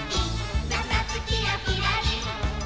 「なつなつキラキラリン！」